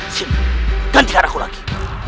sini ganti karaku lagi